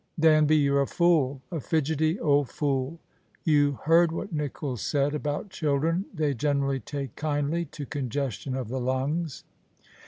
" Danby, you're a fool — a fidgety old fool. You heard what Nicholls said about children — they generally take kindly to congestion of the lungs."